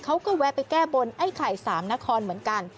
แวะไปแก้บนไอ้ไข่สามนครเหมือนกัน